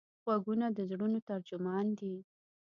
غوږونه د زړونو ترجمان دي